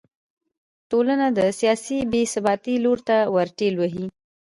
ټولنه د سیاسي بې ثباتۍ لور ته ور ټېل وهي.